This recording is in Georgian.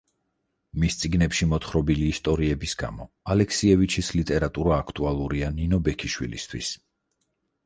მის წიგნებში მოთხრობილი ისტორიების გამო ალექსიევიჩის ლიტერატურა აქტუალურია ნინო ბექიშვილისთვის.